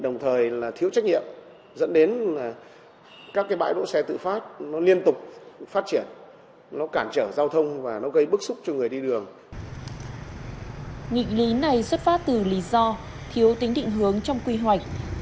nghị lý này xuất phát từ lý do thiếu tính định hướng trong quy hoạch